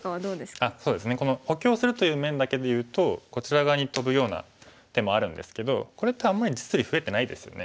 そうですね補強するという面だけでいうとこちら側にトブような手もあるんですけどこれってあんまり実利増えてないですよね。